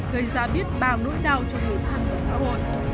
gây ra biết bao nỗi đau cho người thân và xã hội